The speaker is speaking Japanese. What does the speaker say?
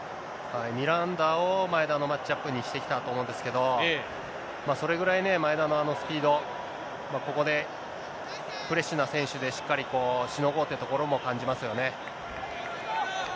ミランダを前田のマッチアップにしてきたと思うんですけど、それぐらいね、前田のあのスピード、ここでフレッシュな選手で、しっかりしのごうってところも感じますよね。